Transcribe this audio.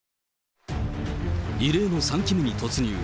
異例の３期目に突入。